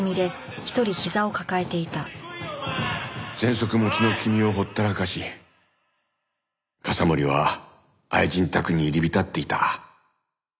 喘息持ちの君をほったらかし笠森は愛人宅に入り浸っていた。